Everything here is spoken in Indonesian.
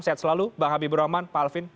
sehat selalu bang habibur rahman pak alvin